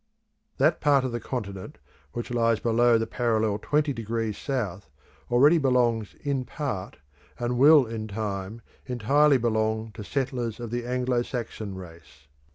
That part of the continent which lies below the parallel 20° South, already belongs in part, and will in time entirely belong to settlers of the Anglo Saxon race.